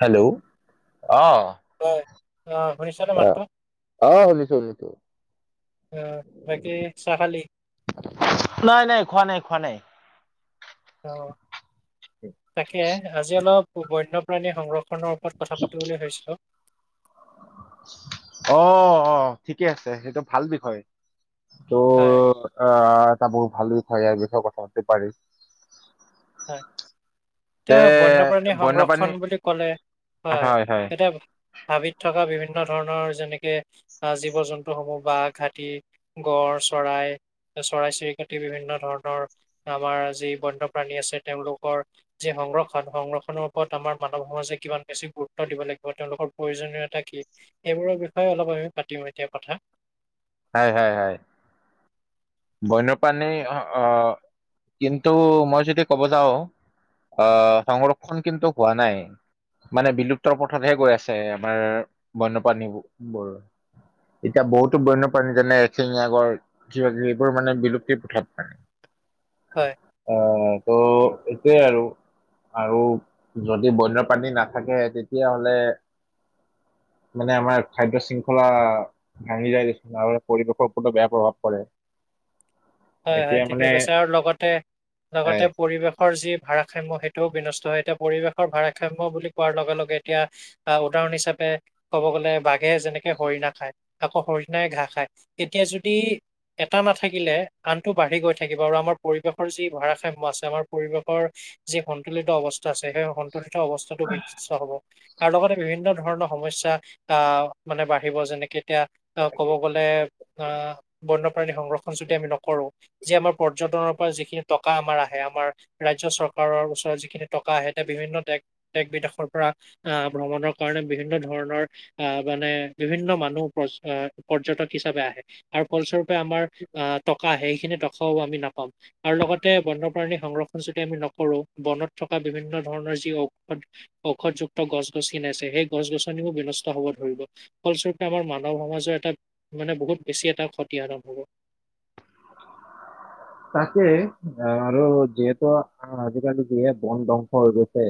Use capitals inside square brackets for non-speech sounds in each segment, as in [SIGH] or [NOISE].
Hello আহঁ অঁ শুনিছ নে মাতটো অ', শুনিছো শুনিছো। আহ বাকী চ খালি নাই নাই খোৱা নাই খোৱা নাই। অঁ তাকে আজি অলপ বন্যপ্ৰাণী সংৰক্ষনৰৰ ত কথা পাতিব বুলি ভাবিছো অঁ অঁ ঠিকে আছে সেইটো ভাল বিষয় হয় ত' আহটা বোৰ ভাল বিষ ইাৰ বিষয়ে কথা হতি পি হয় এতিয়া বন্যপ্ৰাণী সংৰক্ষণ বন্যপ্ৰাণী বুলি কলে হয় এতিয়া হাবিত থকা বিভিন্ন বিভিন্ন ধৰণৰ যেনেকে আঁহ জীৱ জন্তুসমূহ বাঘ হাতী গড় চৰাই চৰাই চিৰিকতি বিভিন্ন ধৰণৰ আমাৰ যি বন্যপ্ৰাণী আছে তেওঁলোকৰ যি সংৰক্ষণ সংৰক্ষণৰ ওপৰত আমাৰ মানৱ সমাজে কিমান বেছি গুৰুত্ব দিব লাগিব তেওঁলোক- প্ৰয়োজনীয়তা কি এইবোৰৰ বিষয়ে অলপ আমি পাতিম এতিয়া কথা হয় হয় হয়। বন্যপ্ৰাণীৰ অঁ কিন্তু মই যদি ক'ব যাওঁ। আহ সংৰক্ষণ কিন্তু হোৱা নাই। মানে বিলুপ্তৰ পথতহে গৈ আছে আমাৰ বন্যপ্ৰাণী বোৰ- এতিয়া বহুতো বন্যপাণী যেনে এচিঙগৰ কিবাকিবি মানে বিলুপ্তিৰ প্ৰথাপ পাই হয়। অ ত সটোৱে আৰু আৰু যদি বন্য পাণী নাথাকে তেতিয়াহলে [UNINTELLIGIBLE] মানে আমাৰ খাদ্য শৃংখলা ভাঙি যায় গৈছে নলে পৰিৱেশৰ ওপৰতো বেয়া প্ৰভাৱ পৰে হয় হয় এতিয়া ঠিকে মানে কৈছে আৰু লগতে- লগতে হয় পৰিৱেশৰ যি ভাৰসাম্য সেইটোও বিনষ্ট হৈ এতিয়া পৰিৱেশৰ ভাৰাসাম্য বুলি কোৱাৰ লগে লগে এতিয়া আহ উদাহৰণ হিচাপে ক'ব গ'লে বাঘে- যেনেকে হৰিণা খায় আকৌ হৰিণাই ঘাঁহ খায় তেতিয়া যদি এটা নাথাকিলে আনটো বাঢ়ি গৈ থাকিব আৰু আমাৰ পৰিৱেশৰ যি ভাৰসাম্য আছে আমাৰ পৰিৱেশৰ যি সন্তুলিত অৱস্থা আছে সেই সন্তুলিত অৱস্থাটো বিশ হ'ব আৰু লগতে বিভিন্ন ধৰণৰ সমস্যা আহ মানে বাঢ়িব যেনেকে- এতিয়া আহ ক'ব গ'লে আহ বন্যপ্ৰাণী সংৰক্ষণ যদি আমি ন কৰো যি আমাৰ পৰ্যটনৰ পৰা যিখিনি টকা আমাৰ আহে আমাৰ, ৰাইজৰ চৰকাৰৰ ওচৰত যিখিনি টকা। কা সেয়ে বিভিন্ন দেশ বিদেশৰ পৰা আহ ভ্ৰমণৰ কাৰণে বিভিন্ন ধৰণৰ আহ মানে। মানে বিভিন্ন মানুহ পৰ্যটক হিচাপে আহে আৰু ফলস্বৰূপে আমাৰ অহ। সেইখিনি টকাওআমি নাপাম আৰু লগতে বন্যপ্ৰাণী সংৰক্ষণ যদি আমি নকৰো বনত থকা। বিভিন্ন ধৰণৰ যি ঔষধ ঔষধযুক্ত গছ গছনি আছে সেই গছ গছনিও বিনষ্ট হব ধৰিব। ফলস্বৰূপে আমাৰ মানৱ সমাজৰ এটা মানে বহুত বেছি এটা ক্ষতি হব। তাকে আৰু যিহেতু আজিকালি যিহে বন ধ্বংস হৈ গৈছে।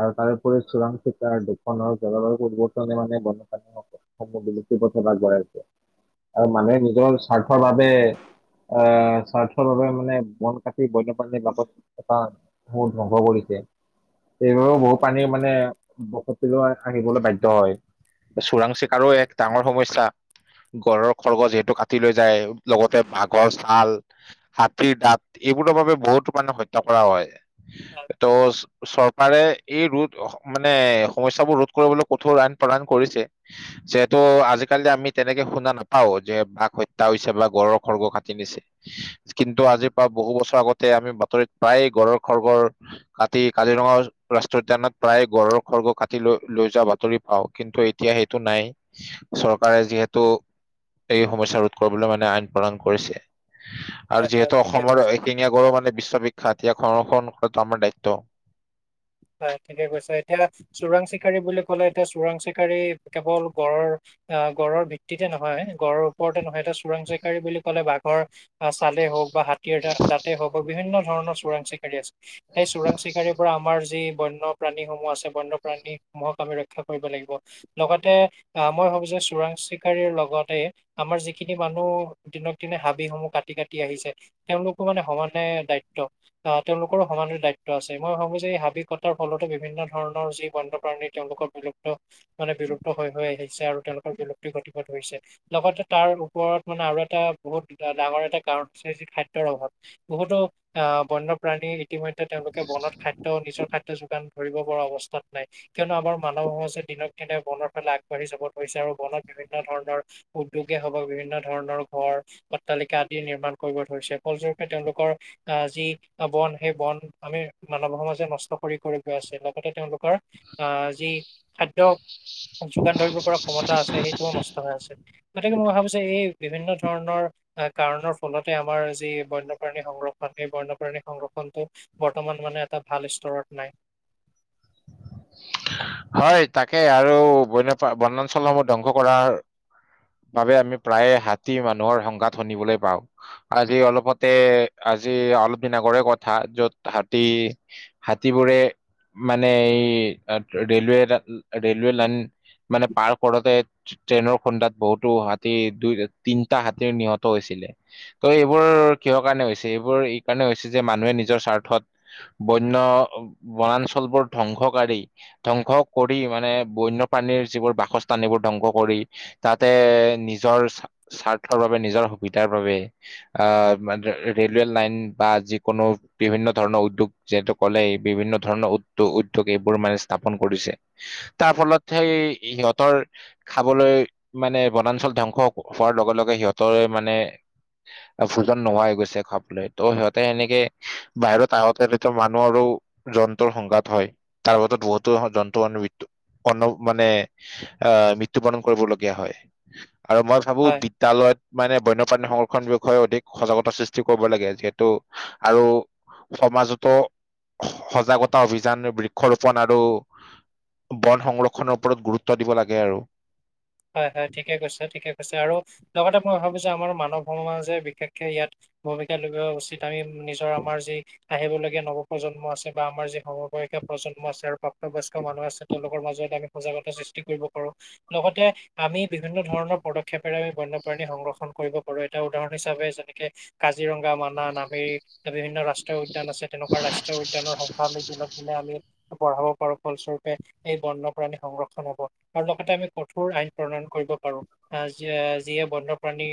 আৰু তাৰোপৰি চোৰাং চিকাৰ শোষনৰ জলৰ পৰিৱৰ্তনে মানে বনপাণী বুলি। গাই আছে আৰু মানুহে নিজৰ স্বাৰ্থৰ বাবে আহ স্বাৰ্থ। ভাৱ মানে বন কাটি বন্যপ্ৰাণীৰ বত এটা বহুত ধ্বংস কৰিছে। এইবাবেও বহুত পানী মানে বসতি ল হাঁহিবলৈ বাধ্য হয়। চোৰাং চিকাৰো এক ডাঙৰ সমস্যা। গড়, খৰগছ যিহেতু কাটি লৈ যায় লগতে বাঘৰ শাল। হাতীৰ, দাঁত এইবোৰৰ বাবে বহুতো মানে হত্যা কৰা হয় ত' চৰকাৰে এই ৰোধ মানে সমস্বোৰ ৰোধ কৰিবলৈ কঠোৰ আইন প্ৰদান কৰিছে। যিহেতু আজিকালি আমি তেনেকে শুনা নাপাও যে বাাক হত্যা হৈছে বা গডৰৰ খৰ্গ কাটি নিছে। কিন্তু আজিৰ পৰা বহু বছৰ আগতে আমি বাতৰিত প্ৰায় ঘৰৰ খৰ ঘৰ কাটি কাজিৰঙা। ৰাষ্ট্ৰ উদ্যানত প্ৰায় গড়ৰ খৰ্গ কাটি লৈ লৈ যোৱা বাতৰি পাওঁ কিন্তু এতিয়া সেইটো নাই। চৰকাৰে যিহেতু, এই সমস্যা ৰোধ কৰিবলৈ মানে আইন প্ৰদন কৰিছে। হয় হয় আৰু হয়, যিহেতু ঠিকে কৈছে অসমৰ এশিঙীয়া গড় মানে বিশ্ববিখ্যাত। তেতিয়া খৰক্ষণ কৰাটো আমাৰ দায়িত্ব। হয় ঠিকে কৈছে এতিয়া চোৰাং চিকাৰী বুলি কলে এতিয়া চোৰাং চিকাৰী কেৱল গড়ৰ। অক্ষ গড়ৰ ভিত্তিতে নহয় গড়ৰ ওপৰতে নহয়। এটা চোৰাং চিকাৰাৰী বুলি ক'লে বাঘৰ আহ চালে হওঁক বা হাতীৰ দাঁতেই হওঁক বা বিভিন্ন। ধৰণৰ চোৰাং চিকাৰী আছে সেই চোৰাং চিকাৰীৰ পৰা আমাৰ। যি বন্যপ্ৰাণীসমূহ আছে বন্যপ্ৰাণীসমূহক আমি ৰক্ষা কৰিব লাগিব লগতে অহ মই। হক যে চোৰাং চিকাৰিৰ লগতে আমাৰ যিখিনি মানুহ দিনক দিনে হাবিসমূহ কাটি কাটি আহি। আহিছে তেওঁলোকো মানে সমানে দায়িত্ব আহ তেওঁলোকৰো সমান দায়িত্ব আছে মই ভাবো যে এই হাবি। কটাৰ ফলতো বিভিন্ন ধৰণৰ যি বন্যপ্ৰাণী তেওঁলোকৰ বিলুপ্ত মানে বিলুপ্ত হৈ হৈ আহিছে আৰু। তেওঁলোকৰ বিলুপ্তি গতিপথ হৈছে লগতে তাৰ ওপৰত মানে আৰু এটা বহুত ডাঙৰ এটা কাৰণ হৈ যি খাদ্য অভাৱ বহুতো আহ, বন্যপ্ৰাণী ইতিমধ্যে তেওঁলোকে বনত খাদ্য নিজৰ খাদ্য। যোগান ধৰিব পৰা অৱস্থাত নাই কিয়নো আমাৰ মানৱ সমাজে দিনক দিনে বনৰ ফালে আগবাঢ়ি যাব ধৰিছে আৰু। ফলত বিভিন্ন ধৰণৰ উদ্যোগে হক বিভিন্ন ধৰণৰ ঘৰ অট্টালিকা আদি নিৰ্মাণ কৰিব ধৰিছে। ফলস্বৰূপে তেওঁলোকৰ আহ যি বন সেই বন আমি মানৱ সমাজে নষ্ট। কৰি কৰি গৈ আছে লগতে তেওঁলোকৰ অহ যি খাদ্যয়। যোগান ধৰিব পৰা ক্ষমতা আছে সেইটোও নষ্ট হৈ আছে, গতিকে মই ভাবো যে এই। বিভিন্ন ধৰণৰ কাৰণৰ ফলতে আমাৰ যি বন্যপ্ৰাণী সংৰক্ষণ সেই বন্যপ্ৰাণী সংৰক্ষণ। টো বৰ্তমান মানে এটা ভাল স্তৰত নাই। হয় তাকে আৰু বন্যপ্ৰাণী বনাঞ্চলসমূহ ধ্বংস কৰাৰ। বাবে আমি প্ৰায় হাতী মানুহৰ সংঘাত শুনিবলৈ পাওঁ আজি অলপতে। আজি অলপ দিন আগৰে কথা য'ত হাতী হাতীবোৰে। মানে এই ৰেলৱে ৰেলৱে লাইন। মানে পাৰ কৰোতে ট্ৰেইনৰ খুন্দাত বহুতো হাতী দুই তিনটা হাতীৰ নিহত হৈছিল। থাকিলে তো এই বোৰ কিহৰ কাৰণে এইবোৰ এই কাৰণে হৈছে যে মানুহে নিজৰ স্বাৰ্থত। বন্য বনাঞ্চল বোৰ ধ্বংসকাৰী। ধ্বংস কৰি মানে বন্যপানীৰ যিবোৰ বাসস্থানীবোৰ ধ্বংস কৰি তাতে। নিজৰ নিজৰ সু [UNINTELLIGIBLE] বা যিকোনো কোনো বিভিন্ন ধৰণৰ উদ্যোগ যিহেতু ক'লে বিভিন্ন ধৰণৰ উদ্যো উদ্যোগ এইবোৰ মানে। স্থাপন কৰিছে তাৰ ফলত সেই সিহঁতৰ খাবলৈ মানে বনাঞ্চল। ধ্বংস হোৱাৰ লগে লগে সিহঁতৰ মানে। ভোজন-নোহাই হৈ গৈছে খাবৈ ত' সিহঁতে এনেকে বাহিৰত আহতেৰ মানুহ আৰু জন্তৰ সংঘাত হয় তাৰ ফলতো বহুত জন্তু মানে আহ, মৃত্যয়ুবৰণ কৰিবলগীয়া হয়। আৰু মই ভাবো হয় বিদ্যালয়ত মানে বন্যপ্ৰাণী সংৰক্ষণ বিষয়ে অধিক সজাগতা সৃষ্টি কৰিব লাগে। যিহেতু আৰু সমাজতো সজাগতা অভিযান, বৃক্ষৰোপন আৰু বন-সংৰক্ষনৰৰ ওপৰত গুৰুত্ব দিব লাগে আৰু। হয়, হয়, ঠিকে কৈছে, ঠিকে কৈছে, আৰু লগতে মই ভাবো যে, আমাৰ মানৱ সমাজে বিশেষকে ইয়াত ভূমিকা লোৱা উচিত। আমি নিজৰ আমাৰ যি আহিবলগীয়া নৱপ্ৰজন্ম নৱপ্ৰজন্ম আছে বা আমাৰ যি সমবাযিকা প্ৰজন্ম আছে আৰু-' প্ৰাপ্তবয়স্ক মানুহ আছে তেওঁলোকৰ মাজত আমি সজাগতা সৃষ্টি কৰিব পাৰো। লগতে, আমি বিভিন্ন ধৰণৰ পদক্ষেপেৰে আমি বন্যপ্ৰাণী সংৰক্ষণ কৰিব কৰে তাৰ এটা উদাহৰণ হিচাপে যেনেকে কাজিৰঙা। নাগা মানা নামেৰী বিভিন্ন ৰাষ্ট্ৰীয় উদ্যান আছে তেনেকুৱা ৰাষ্ট্ৰীয় উদ্যানৰ সংখ্যা আমি দিনক দিনে আমি। বঢ়াব পাৰো। ফলস্বৰূপে এই বন্যপ্ৰাণী সংৰক্ষণ হব। আৰু লগতে আমি কঠোৰ আইন প্ৰণয়ন কৰিব পাৰো। অহ যিয়ে বন্যপ্ৰাণী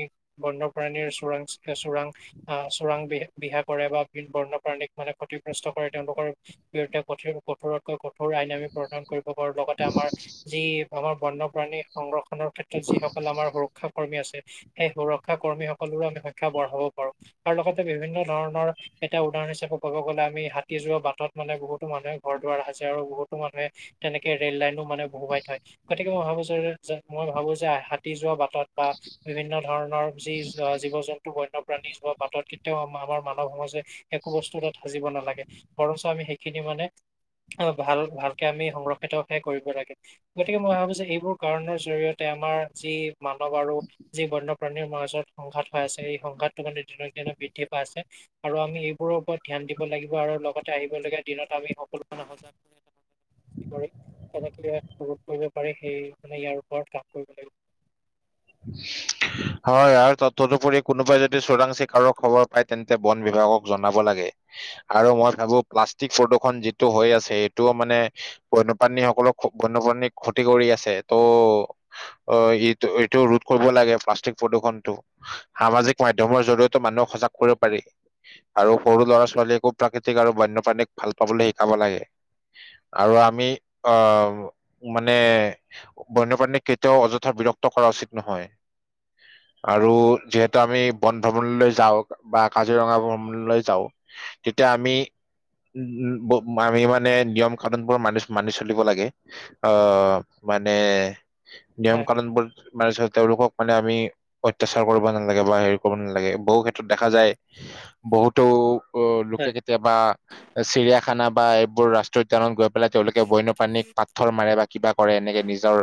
বনপ্ৰাণীৰ চোৰাং চোৰাং অহ চোৰাং বিহ বিহা কৰে বা বন্যপ্ৰাণীৰ মানে ক্ষতিগ্ৰস্ত কৰে তেওঁলোকৰ বিৰুদ্ধে। কঠোৰতকৈ কঠোৰ আইন আামি প্ৰধান কৰিব পাৰো লগতে আমাৰ যি আমাৰ বন্যপ্ৰাণী সংগ্ৰহ নৰ ক্ষেত্ৰত যিসকল আমাৰ সুৰক্ষা কৰ্মী আছে সেই সুৰক্ষা কৰ্মী সকলৰো আমি সংখ্যা বঢ়াব পাৰো। আৰু লগতে বিভিন্ন ধৰণৰ এটা উদাহৰণ হিচাপে ক'ব গ'লে আমি হাতী যোৱা বাটত মানে বহুো মানুহে ঘৰ দুৱাৰ সাজে আৰু বহুতো মানুহে তেনেকে ৰেল লাইনো মানে বহুোৱাই থৈ। গতিকে ভাবিছো যে যে মই ভাবো যে হাতি যোৱা বাটত বা বিভিন্ন ধৰণৰ যি জীৱ-জন্তু, বন্যপ্ৰাণী বাটত কেতিয়াও আমাৰ মানৱ সমাজে একো বস্তু তাত সাজিব নালাগে ।বৰঞ্চ আমি সেইখিনি মানে ভাল-ভালকে আমি সংৰক্ষিতহে কৰিব লাগে গতিকে মই ভাবো যে এইবোৰ কাৰণৰ জৰিয়তে আমাৰ যি মানৱ আৰু যি বন্যপ্ৰাণীৰ মাজত সংঘাত হৈ আছে এই ঘাতটো মানে দিনক দিনে বৃদ্ধি পাই আছে। আৰু আমি এইবোৰৰ ওপৰত ধ্যান দিব লাগিব আৰু লগতে আহিব লগীয়া দিনবোৰ সনেক কৰিব পাৰি সেই ইয়াৰ ওপৰত কাম কৰিব লাগিব। হয়। আৰু তদুপৰি কোনোবাই যদি চোৰাং চিকাৰৰ খবৰ পায় তেন্তে বন বিভাগক জনাব লাগে। আৰু মই ভাবো প্লাষ্টিক প্ৰদূৰ্ষণ যিটো হৈ আছে সেইটো মানে বন্যপ্ৰাণীসকলক বন্যপ্ৰাণী ক্ষতি কৰি আছে ।ত' অ ইটো এইটো ৰোধ কৰিব লাগে ।প্লাষ্টিক প্ৰদূষনটো সামাজিক মমাধ্যম ৰ জৰিয়তে মানুহক সজাগ কৰিব পাৰি ।আৰু সৰু ল'ৰা-ছোৱালী একো প্ৰাকৃতিক আৰু বন্যপ্ৰাীক ভাল পাবলৈ শিকাব লাগে। আৰু আমি অ, মানে বন্যপ্ৰাণী কেতিয়াও অযথা বিৰক্ত কৰা উচিত নহয়। [INAUDIBLE] আৰু যিহেতু আমি বন-ভ্ৰমণলৈ যাওঁ, বা কাজিৰঙা ভ্ৰমণলৈ যাওঁ তেতিয়া আমি উ, আমি মানে নিয়ম কানুনবোৰ মানি মানি চলিব লাগে। আহ,, মানে নিয়ম হয় কানুন বুলিৰ মান তেওঁলোকক মানে আমি অত্যাচাৰ কৰিব নালাগে বা হেৰি কৰিব নালাগে। বহু ক্ষেত্ৰত দেখা যায়, বহুতো লোকে হয় কেতিয়াবা চিৰিয়াখানা বা এইবোৰ ৰাষ্ট্ৰীয় উদ্যানত গৈ পেলাই তেওঁলোকে বন্যপ্ৰাণী পাথৰ মাৰে বা কিবা কৰে এনেকে নিজৰ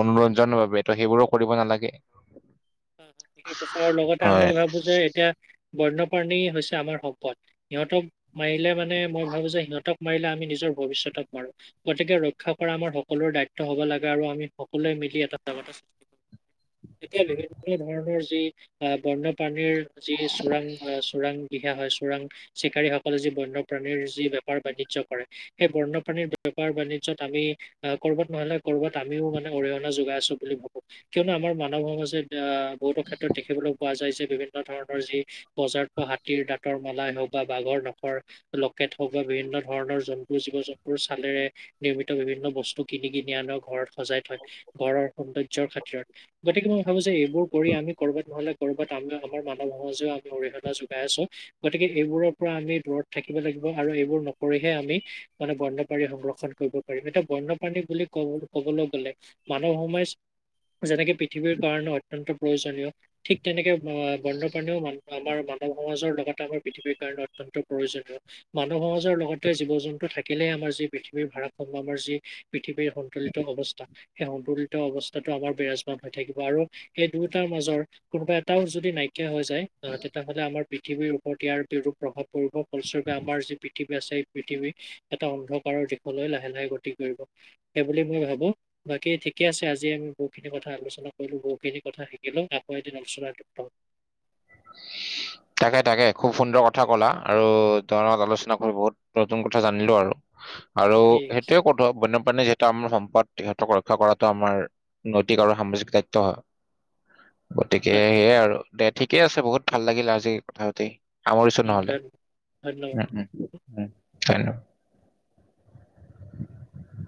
মনোৰঞ্জনৰ বাবে ত সেইবোৰো কৰিব নালাগে। ঠিকে কৈছে আৰু লগতে হয় মই ভাবো যে এতিয়া বন্য প্ৰাণী হৈছে আমাৰ সম্পদ সিহঁতক মাৰিলে মানে মই ভাবো যে সিহঁতক মাৰিলে আমি নিজৰ ভৱিষ্যত পাৰো গতিকে ৰক্ষা কৰা আমাৰ সকলোৰে দায়িত্ব হব লাগে আৰু আমি সকলোৱে মিলি এটা এতি [UNINTELLIGIBLE] ধৰণৰ যি বনপ্ৰাণীৰ যি চোৰাং-চোৰাং দিহা হয় চোৰাং চিকাৰী সকলে যি বন্যপ্ৰাণীৰ যি বেপাৰ- বাণিজ্য কৰে সেই বন্যপ্ৰাণীৰ বাণিজ্য আমি কৰ'বাত নহলে কৰ'বাত আমিও মানে অৰিহণা যোগাই আছো বুলি ভাবো কিয়নো আমাৰ মানৱ সমাজত আছে বহুতো ক্ষেত্ৰত দেখিবলৈ পোৱা যায় যে বিভিন্ন ধৰণৰ যি বজাৰত পোৱা হাতীৰ দাঁতৰ মালাই হওঁক, বা বাঘৰ নখৰ লকেট হওক বা বিভিন্ন ধৰণৰ জন্তুৰ, জীৱ- জন্তুৰ চালেৰে নিৰ্মিত বিভিন্ন বিভিন্ন বস্তু কিনি কিনি আনৰ ঘৰত সজাই থয় ঘৰৰ সৌন্দৰ্যৰ খাতিৰত ।গতিকে মই ভাবো যে এইবোৰ কৰি আমি কৰবাত নহলে কৰ'ৰবাত আমি আমাৰ মানৱ সমাজেও আমি অৰিহণা যোগাই আছো। গতিকে এইবোৰৰ পৰা আমি দূৰত থাকিব লাগিব আৰু এইবোৰ নকৰিলে আমি মানে বন্যপাণী সংৰক্ষণ কৰিব পাৰিম। এতিয়া ব বন্যপ্ৰাণী বুলি কব কবলৈ গলে মানৱ সমাজ যেনেকে পৃথিৱীৰ কাৰণে অতয়ন্ত প্ৰয়োজনীয়। ঠিক তেনেকে বনপ্ৰাণীও মান আমাৰ মানৱ সমাজৰ লগতে আমাৰ পৃথিৱীৰ কাৰণে অতয়ন্ত প্ৰয়োজনীয়। মানৱ সমাজৰ লগতে জীৱ জন্তু থাকে কিলে আমাৰ যি পৃথিৱীৰ ভাৰাখাম্য আমাৰ যি পৃথিৱীৰ সন্তুলিত অৱস্থা সেই সন্তুলিত অৱস্থাত আমাৰ বিৰাজমান হৈ থাকিব আৰু সেই দুয়োটাৰ মাজৰ কোনোবা এটাও যদি নাইকিয়া হৈ যায় আহ তেতিয়াহলে আমাৰ পৃথিৱীৰ ওপৰত ইয়াৰ প প্ৰভাৱ পৰিব ফলস্বৰূপে আমাৰ যি পৃথিৱী আছে সেই পৃথিৱী এটা অন্ধকাৰৰ দিশলৈ লাহে -লাহে কৰিব সেইবুলি মই ভাবো বাকী ঠিকে আছে আজি আমি বহুতখিনি কথা আলোচনা, কৰিলো বহু খিনি কথা শিকিলো আকৌ এদিন আলোচনাটো পাম। তাকে তাকে খুব সুন্দৰ কথা ক'লা আৰু তোমাৰ লগত আলোচনা কৰি বহুত নতুন কথা জানিলো আৰু। আৰু ঠিক সেইটোয়ে কতো মানে মানে যিহেতু আমাৰ সম্পদ সিহঁতক ৰক্ষা কৰাটো আমাৰ নৈতিক আৰু সামাজিক দায়িত্ব হয় [INAUDIBLE] গতিকে আছে সেয়াই আৰু দে ঠিকে আছে বহুত ভাল লাগিল আজি কথা পাতি। সামৰিছো নহলে ধন্যবাদ। উম উম। উম ধন্যাদ।